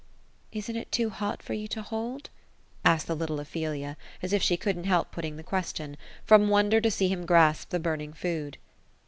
'* Isn't it too hot for you to hold ?" asked the little Ophelia, as if she couldn't help putting the question — ^from wonder to see him grasp the burning food.